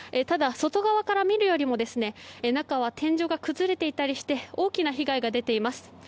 ただ、外側から見るよりも中は天井が崩れていたりして大きな被害が出ています。